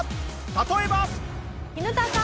例えば。